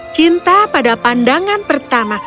cinta pada pandangan pertama